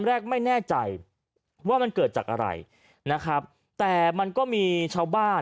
แรกไม่แน่ใจว่ามันเกิดจากอะไรนะครับแต่มันก็มีชาวบ้าน